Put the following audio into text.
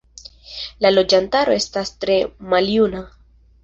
La loĝantaro estas tre maljuna.